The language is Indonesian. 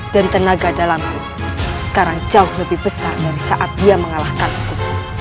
dan tenaga dalamku sekarang jauh lebih besar dari saat dia mengalahkanku